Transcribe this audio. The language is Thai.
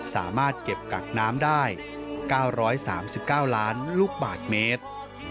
สามารถเก็บกักน้ำได้๙๓๙ล้านลูกบาทเมตร